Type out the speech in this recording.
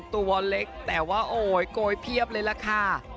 ตัวเล็กแต่ว่าโอ๊ยโกยเพียบเลยล่ะค่ะ